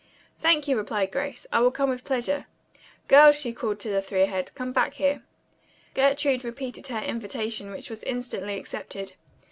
"Thank you," replied Grace. "I will come with pleasure. Girls," she called to the three ahead, "come back here." Gertrude repeated her invitation, which was instantly accepted.